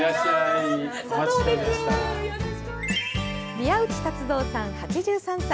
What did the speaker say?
宮内辰蔵さん、８３歳。